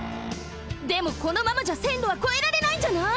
でもこのままじゃせんろはこえられないんじゃない？